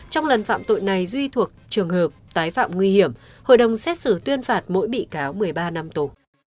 trong lần phạm tội này duy thuộc trường hợp tái phạm nguy hiểm hội đồng xét xử tuyên phạt mỗi bị cáo một mươi ba năm tù